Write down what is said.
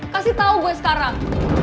kasih tau gue sekarang